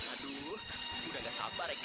aduh udah gak sabar ya